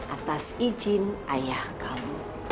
atas izin ayah kamu